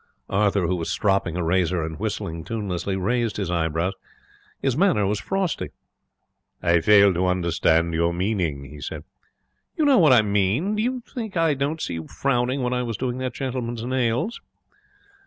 Arthur, who was stropping a razor and whistling tunelessly, raised his eyebrows. His manner was frosty. 'I fail to understand your meaning,' he said. 'You know what I mean. Do you think I didn't see you frowning when I was doing that gentleman's nails?'